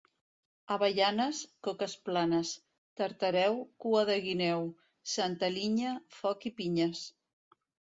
Avellanes, coques planes; Tartareu, cua de guineu; Santa Linya, foc i pinyes.